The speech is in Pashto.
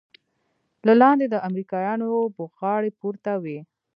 له لاندې د امريکايانو بوغارې پورته وې.